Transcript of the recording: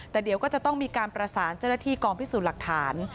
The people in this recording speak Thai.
แต่เดี๋ยวก็จะต้องมีการประสานเจ้าหน้าที่กองพิสูจน์หลักฐาน